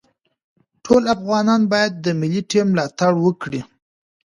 ټول افغانان باید د ملي ټیم ملاتړ وکړي.